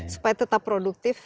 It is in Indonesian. supaya tetap produktif